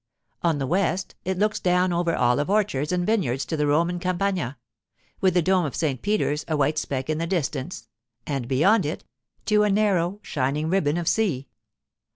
On the west it looks down over olive orchards and vineyards to the Roman Campagna, with the dome of St. Peter's a white speck in the distance, and, beyond it, to a narrow, shining ribbon of sea.